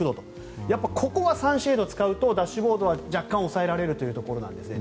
ここがサンシェードを使うとダッシュボードは若干抑えられるというところなんです